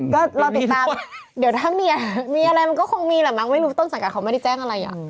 ก็รอติดตามเดี๋ยวถ้ามีอะไรมันก็คงมีแหละมั้งไม่รู้ต้นสังกัดเขาไม่ได้แจ้งอะไรอ่ะ